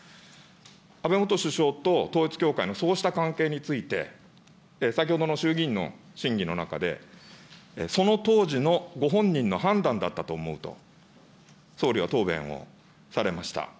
安倍元首相と統一教会のそうした関係について、先ほどの衆議院の審議の中で、その当時のご本人の判断だったと思うと、総理は答弁をされました。